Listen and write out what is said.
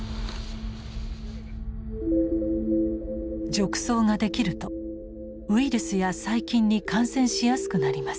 褥瘡ができるとウイルスや細菌に感染しやすくなります。